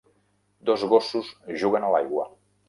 Dos gossos juguen a l'aigua.